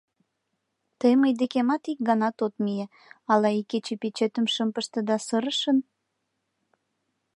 Тый мый декемат ик ганат от мие: ала икече печетым шым пыште да сырышын?